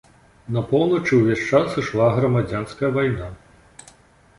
На поўначы ўвесь час ішла грамадзянская вайна.